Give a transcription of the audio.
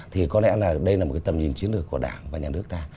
thì có lẽ là đây là một cái tầm nhìn chiến lược của đảng và nhà nước ta